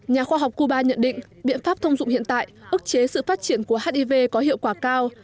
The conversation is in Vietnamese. nhà khoa học cuba nhận định biện pháp thông dụng hiện tại ước chế sự phát triển của hiv có hiệu quả cao